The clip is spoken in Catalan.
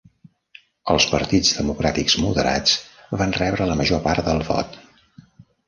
Els partits democràtics moderats van rebre la major part del vot.